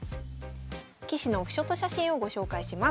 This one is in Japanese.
棋士のオフショット写真をご紹介します。